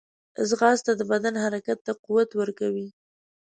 ځغاسته د بدن حرکت ته قوت ورکوي